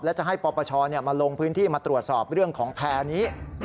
และจะให้ปปชมาลงพื้นที่มาตรวจสอบเรื่องของแพร่นี้